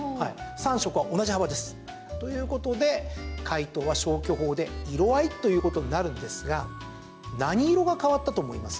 ３色は同じ幅です。ということで、解答は消去法で色合いということになるんですが何色が変わったと思います？